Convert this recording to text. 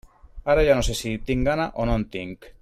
Ara ja no sé si tinc gana o no en tinc.